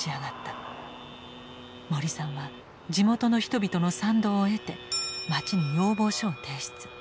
森さんは地元の人々の賛同を得て町に要望書を提出。